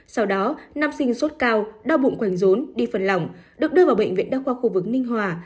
sau đó nằm sinh suốt cao đau bụng khoảnh rốn đi phần lỏng được đưa vào bệnh viện đa khoa khu vực ninh hòa